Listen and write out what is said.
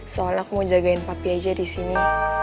soalnya aku mau jagain papi aja disini